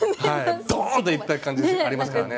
ドーン！といった感じありますからね。